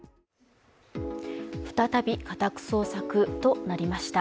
再び家宅捜索となりました。